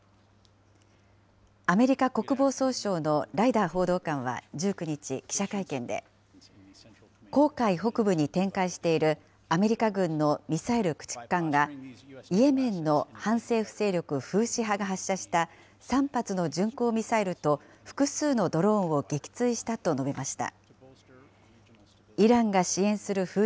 アメリカ国防総省のライダー報道官は１９日、記者会見で、公海北部に展開しているアメリカ軍のミサイル駆逐艦がイエメンの反政府勢力フーシ派が発射した３発の巡航ミサイルと複数のドローンを撃墜したと述べました。